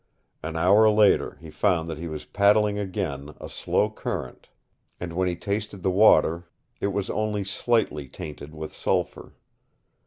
An hour later he found that he was paddling again a slow current, and when he tasted the water it was only slightly tainted with sulphur.